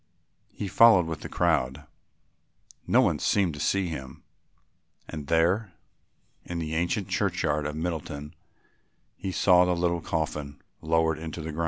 He followed with the crowd, no one seemed to see him, and there, in the ancient churchyard of Middleton, he saw the little coffin lowered into the ground.